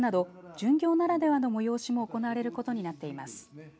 巡業ならではの催しも行われることになっています。